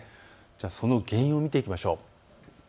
その原因を見ていきましょう。